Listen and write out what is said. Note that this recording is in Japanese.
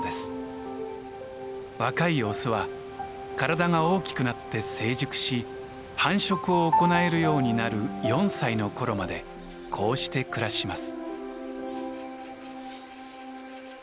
若いオスは体が大きくなって成熟し繁殖を行えるようになる４歳の頃までこうして暮らします。